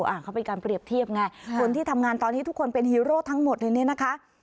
อ่าเขาเป็นการเปรียบเทียบไงคนที่ทำงานตอนนี้ทุกคนเป็นฮีโร่ทั้งหมดเลยเนี่ยนะคะ